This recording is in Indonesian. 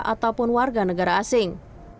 ataupun warga negara asing